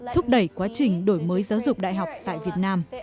thúc đẩy quá trình đổi mới giáo dục đại học tại việt nam